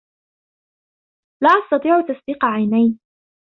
لا أستطيع تصديق عينيّ.